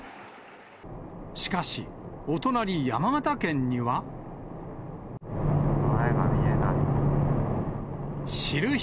しかし、お隣山形県には。前が見えない。